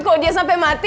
kalo dia sampe mati